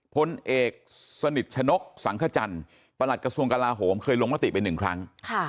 พลเอกสนิทชนกศังขจรประหลักกระทรวงกระลาโหมเคยลงมาติเป็น๑ครั้ง